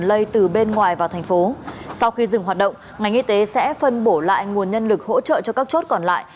ra vào thành phố sau khi dừng hoạt động ngành y tế sẽ phân bổ lại nguồn nhân lực hỗ trợ cho các chốt còn lại